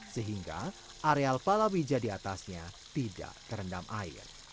sehingga areal palawija di atasnya tidak terendam air